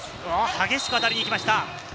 激しくあたりに行きました。